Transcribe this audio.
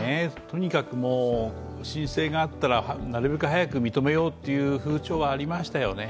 とにかく申請があったらなるべく早く認めようという風潮はありましたよね。